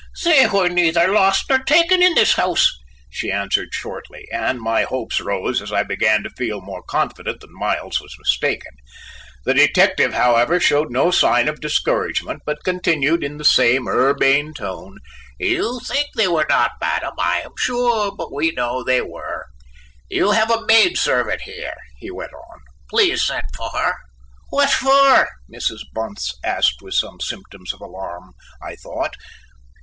"They were neither lost nor taken in this house," she answered shortly, and my hopes rose as I began to feel more confident that Miles was mistaken. The detective, however, showed no signs of discouragement, but continued in the same urbane tone: "You think they were not, madam, I am sure; but we know they were. You have a maid servant here," he went on; "please send for her." "What for?" Mrs. Bunce asked with some symptoms of alarm, I thought.